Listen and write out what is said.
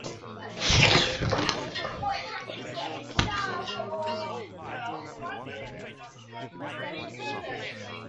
With the new graphical improvements, players were able to have individual faces.